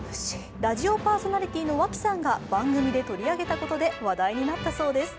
ラジオパーソナリティーのわきさんが番組で取り上げたことで話題になったそうです。